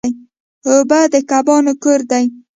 اوبه د کبانو کور دی.